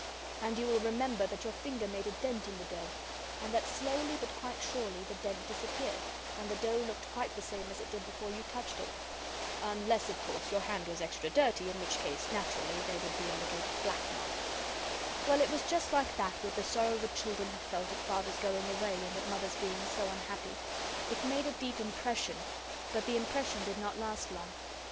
And you will remember that your finger made a dent in the dough, and that slowly, but quite surely, the dent disappeared, and the dough looked quite the same as it did before you touched it. Unless, of course, your hand was extra dirty, in which case, naturally, there would be a little black mark. Well, it was just like that with the sorrow the children had felt at Father's going away, and at Mother's being so unhappy. It made a deep impression, but the impression did not last long.